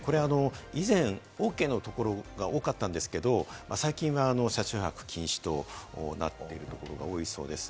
以前はＯＫのところが多かったんですけれども、最近は車中泊禁止となっているところが多いそうです。